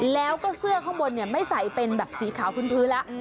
แล้วก็เสื้อข้างบนไม่ใส่เป็นแบบสีขาวพื้นแล้ว